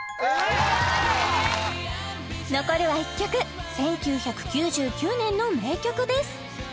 残るは１曲１９９９年の名曲です